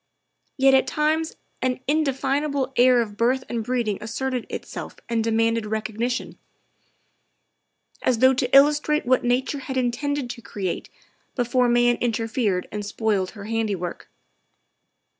Yet at times an indefinable air of birth and breeding asserted itself and demanded recognition, as though to illustrate what nature had intended to create before man interfered and spoiled her handiwork.